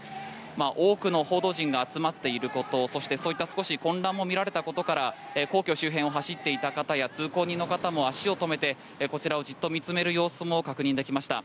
多くの報道陣が集まっていることそして、そういった少し混乱も見えたことから皇居周辺を走っていた方や通行人の方も足を止めてこちらをじっと見つめる様子も確認できました。